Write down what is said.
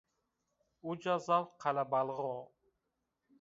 Uca zaf qelebalix o